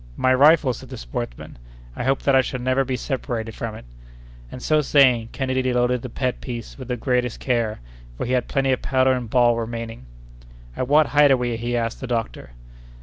"My rifle!" said the sportsman. "I hope that I shall never be separated from it!" And so saying, Kennedy loaded the pet piece with the greatest care, for he had plenty of powder and ball remaining. "At what height are we?" he asked the doctor.